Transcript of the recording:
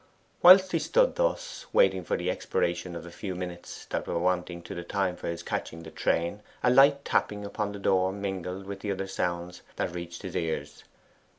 Whilst he thus stood, waiting for the expiration of the few minutes that were wanting to the time for his catching the train, a light tapping upon the door mingled with the other sounds that reached his ears.